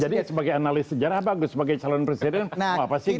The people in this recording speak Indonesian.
jadi sebagai analis sejarah bagus sebagai calon presiden apa sih gitu